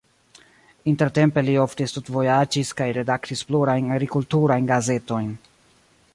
Intertempe li ofte studvojaĝis kaj redaktis plurajn agrikulturajn gazetojn.